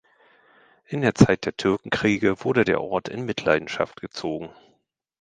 In der Zeit der Türkenkriege wurde der Ort in Mitleidenschaft gezogen.